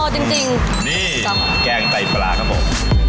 จริงนี่แกงไตปลาครับผม